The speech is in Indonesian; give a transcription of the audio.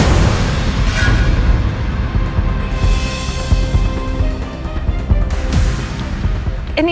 ada apa ini